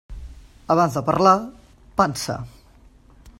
Abans de parlar, pensar.